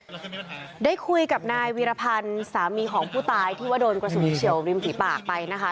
ได้คุยกับนายวีรพันธ์สามีของผู้ตายที่ว่าโดนกระสุนเฉียวริมฝีปากไปนะคะ